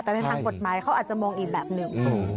แต่ในทางกฎหมายเขาอาจจะมองอีกแบบหนึ่ง